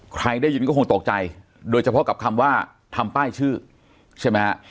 ใครได้ยินก็คงตกใจโดยเฉพาะกับคำว่าทำป้ายชื่อใช่ไหมฮะ